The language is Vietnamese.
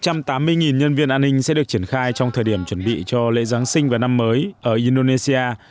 một trăm tám mươi nhân viên an ninh sẽ được triển khai trong thời điểm chuẩn bị cho lễ giáng sinh và năm mới ở indonesia